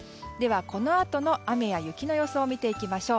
このあとの雨や雪の予想を見ていきましょう。